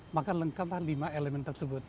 maka lengkaplah lima elemen tersebut